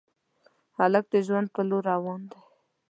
هلک د ژوند په لور روان دی.